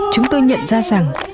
chúng tôi nhận ra rằng